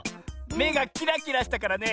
めがキラキラしたからね